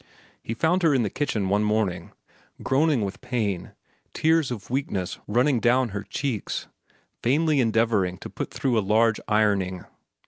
He found her in the kitchen one morning groaning with pain, tears of weakness running down her cheeks, vainly endeavoring to put through a large ironing.